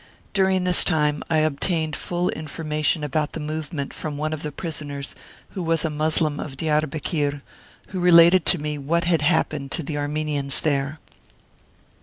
During this time I obtained full informa tion about the movement from one of the prisoners, who was a Moslem of Diarbekir, and who related to me what had happened to the Armenians there.